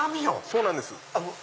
そうなんです。